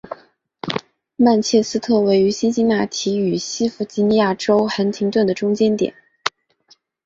曼彻斯特位于辛辛那提与西弗吉尼亚州亨廷顿的中间点。